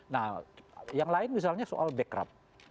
nah yang lain misalnya soal backup